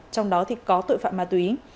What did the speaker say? trong đó thì có tội phạm ma túy